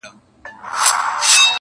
حقيقت لا هم پټ دی ډېر،